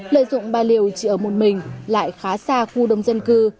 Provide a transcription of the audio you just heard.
lợi dụng bà liều chỉ ở một mình lại khá xa khu đông dân cư